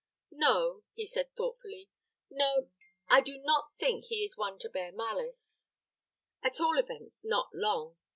"No," he said, thoughtfully; "no; I do not think he is one to bear malice at all events, not long.